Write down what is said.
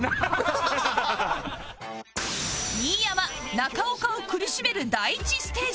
新山中岡を苦しめる第１ステージ